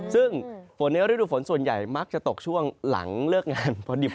ซึ่งฝนในฤดูฝนส่วนใหญ่มักจะตกช่วงหลังเลิกงานพอดี